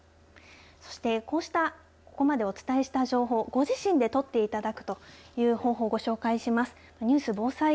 そして、こうしたここまでお伝えした情報ご自身で取っていただくという方法をご紹介します。